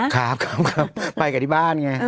ครับไปกับที่บ้านไง